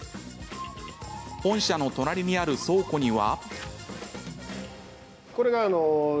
本社の隣にある倉庫には。